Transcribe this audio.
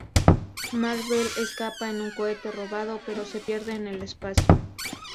Mar-Vell escapa en un cohete robado, pero se pierde en el espacio.